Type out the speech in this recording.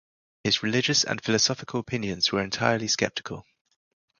His religious and philosophical opinions were entirely skeptical.